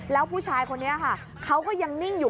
แล้วผู้ชายคนนี้ค่ะเขาก็ยังนิ่งอยู่